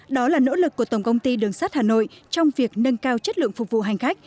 đó là nỗ lực của tổng công ty đường sắt hà nội trong việc nâng cao chất lượng phục vụ hành khách